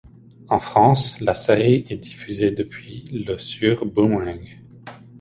En France, la série est diffusée depuis le sur Boomerang.